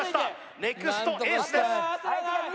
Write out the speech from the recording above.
ネクストエースです